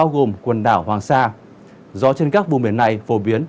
gió trên các vùng biển này phổ biến